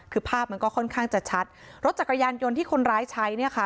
คือภาพมันก็ค่อนข้างจะชัดรถจักรยานยนต์ที่คนร้ายใช้เนี่ยค่ะ